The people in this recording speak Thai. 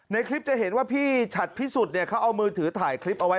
ในคลิปจะเห็นว่าพี่ฉัดพิสุทธิ์เนี่ยเขาเอามือถือถ่ายคลิปเอาไว้